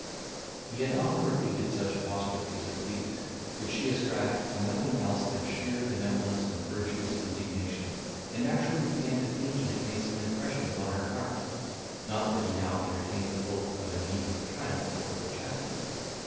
He had often repeated such apostrophes as these, which she ascribed to nothing else than sheer benevolence and virtuous indignation, and actually began to think he had made some impression upon her heart, not that he now entertained the hope of an immediate triumph over her chastity.